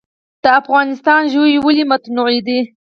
د افغانستان ژوي ولې متنوع دي؟